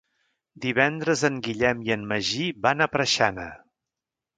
Divendres en Guillem i en Magí van a Preixana.